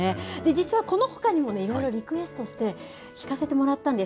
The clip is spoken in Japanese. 実はこのほかにもいろいろリクエストして、弾かせてもらったんです。